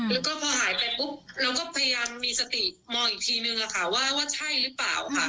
แล้วก็พอหายไปปุ๊บเราก็พยายามมีสติมองอีกทีนึงว่าใช่หรือเปล่าค่ะ